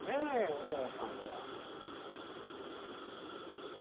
お嬢さんは。